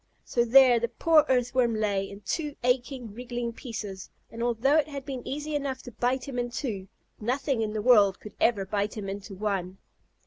So there the poor Earthworm lay, in two aching, wriggling pieces, and although it had been easy enough to bite him in two, nothing in the world could ever bite him into one.